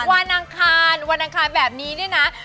วันอังคารวันอังคารแบบนี้เนี่ยนะ